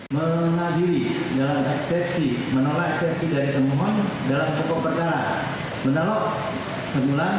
menadiri dalam eksesi menolak eksesi dari permohon dalam pokok perkara